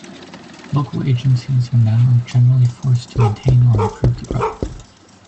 Local agencies are now generally forced to maintain or improve the road.